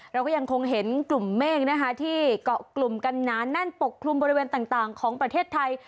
เราก็ยังคงเห็นกลุ่มเมฆนะคะที่เกาะกลุ่มกันหนาแน่นปกคลุมบริเวณต่างของประเทศไทย